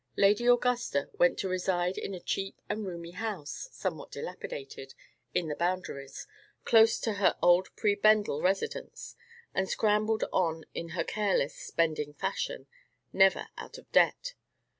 Lady Augusta went to reside in a cheap and roomy house (somewhat dilapidated) in the Boundaries, close to her old prebendal residence, and scrambled on in her careless, spending fashion, never out of debt.